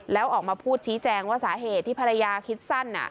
แล้วออกมาพูดชี้แจงว่าสาเหตุที่ภรรยาคิดสั้น